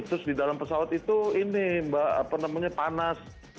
terus di dalam pesawat itu ini mbak apa namanya panas